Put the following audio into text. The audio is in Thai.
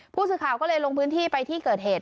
ผู้สื่อข่าวก็เลยลงพื้นที่ไปที่เกิดเหตุ